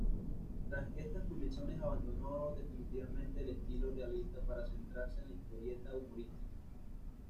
Tras estas publicaciones, abandonó definitivamente el estilo realista para centrarse en la historieta humorística.